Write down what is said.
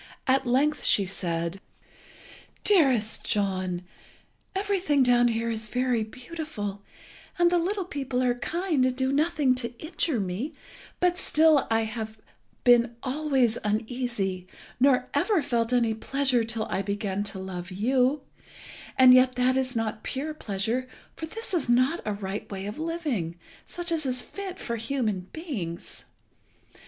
At length she said "Dearest John, everything down here is very beautiful, and the little people are kind and do nothing to injure me, but still I have been always uneasy, nor ever felt any pleasure till I began to love you; and yet that is not pure pleasure, for this is not a right way of living, such as is fit for human beings.